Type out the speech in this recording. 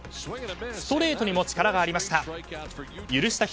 ストレートにも力がありました。